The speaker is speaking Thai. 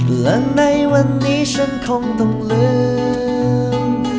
และในวันนี้ฉันคงต้องลืม